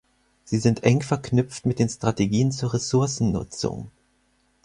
Sie sind eng verknüpft mit den Strategien zur Ressourcennutzung.